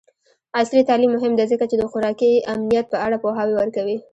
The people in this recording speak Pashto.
عصري تعلیم مهم دی ځکه چې د خوراکي امنیت په اړه پوهاوی ورکوي.